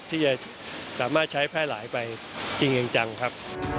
ที่จะสามารถใช้แพร่หลายไปจริงจังครับ